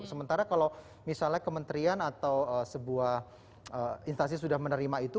sementara kalau misalnya kementerian atau sebuah instansi sudah menerima itu